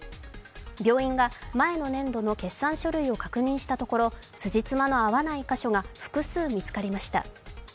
病院が前の年度の決算書類を確認したところ、つじつまが合わない箇所が複数見つかりました。